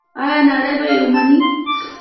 آیا نړۍ به یې ومني؟